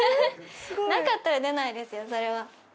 なかったら出ないですよ